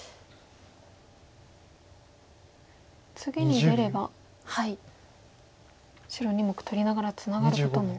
次に出れば白２目取りながらツナがることも。